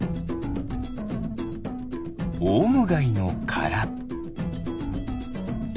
オウムガイのから。